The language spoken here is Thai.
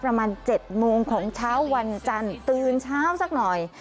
ประมาณ๗โมงของเช้าวันจันทร์ตื่นเช้าสักหน่อย